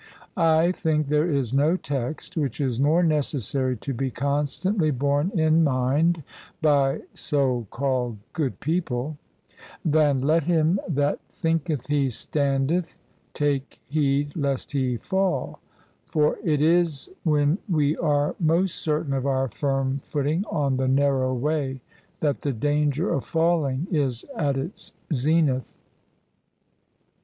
I think there is no text which is more necessary to be con stantly borne in mind by (so called) good people than, ' Let him that thinketh he standeth take heed lest he fall ': for It IS when we are most certain of our firm footing on the narrow way that the danger of falling is at its zenith."